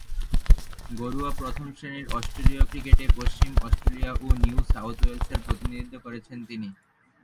ঘরোয়া প্রথম-শ্রেণীর অস্ট্রেলীয় ক্রিকেটে পশ্চিম অস্ট্রেলিয়া ও নিউ সাউথ ওয়েলসের প্রতিনিধিত্ব করেছেন তিনি।